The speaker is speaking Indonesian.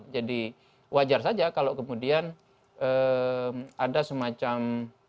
jadi wajar saja kalau kemudian ada semacam